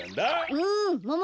うんもも